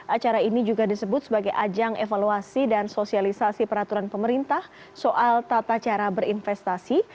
acara ini juga disebut sebagai ajang evaluasi dan sosialisasi peraturan pemerintah soal tata cara berinvestasi